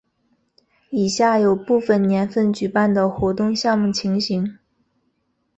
以下有部分年份举办的活动项目情形。